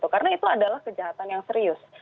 karena itu adalah kejahatan yang serius